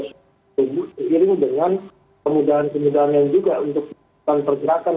seiring dengan pemudahan pemudahan yang juga untuk pergerakan